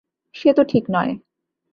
সে তো ঠিক নয়।